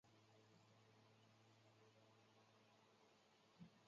福建柏是柏科福建柏属唯一物种。